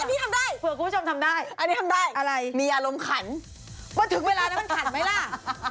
ที่นี่ทำได้อะไรมีอารมณ์ขันมันถึกเวลานะมันขันไหมล่ะ